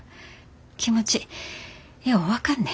気持ちよう分かんね。